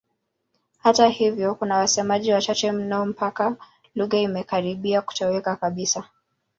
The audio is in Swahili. Hata hivyo kuna wasemaji wachache mno mpaka lugha imekaribia kutoweka kabisa.